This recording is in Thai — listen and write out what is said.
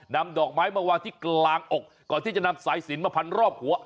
นำดอกไม้มาวางที่กลางอกก่อนที่จะนำสายสินมาพันรอบหัว